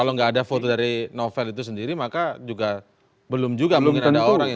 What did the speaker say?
kalau nggak ada foto dari novel itu sendiri maka juga belum juga mungkin ada orang yang